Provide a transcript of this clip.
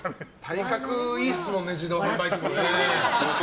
体格いいですもんね自動販売機。